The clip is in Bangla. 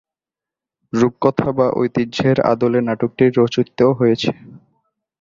রূপকথা বা ঐতিহ্যের আদলে নাটকটি রচিত হয়েছে।